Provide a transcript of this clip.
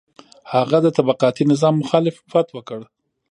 هغه د طبقاتي نظام مخالفت وکړ.